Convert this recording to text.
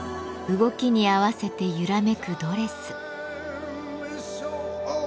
動きに合わせて揺らめくドレス。